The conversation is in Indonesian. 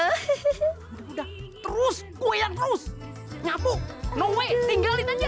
gini udah terus goyan terus nyapu no way tinggalin aja